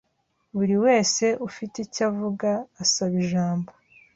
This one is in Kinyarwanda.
Buri wese ufite icyô avuga asaba ijambo.